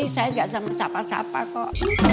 saya gak sama siapa siapa kok